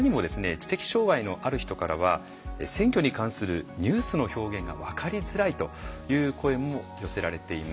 知的障害のある人からは選挙に関するニュースの表現が分かりづらいという声も寄せられています。